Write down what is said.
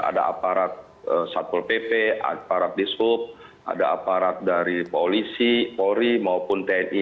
ada aparat satpol pp aparat dishub ada aparat dari polisi polri maupun tni